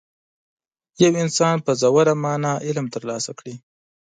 یو انسان په ژوره معنا علم ترلاسه کړي.